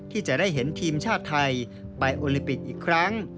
ที่จะได้เห็นทีมชาติไทยไปโอลิมปิกอีกครั้ง